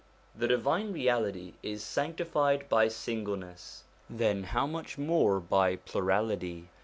The Divine Reality is sanctified by singleness, then how much more by plurality.